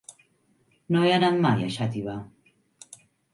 No he anat mai a Xàtiva.